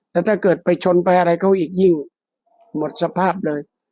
แล้วถ้าเกิดไปชนไปอะไรเขาอีกยิ่งหมดสภาพเลย